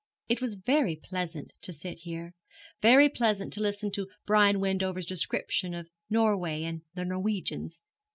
It was very pleasant to sit here very pleasant to listen to Brian Wendover's description of Norway and the Norwegians.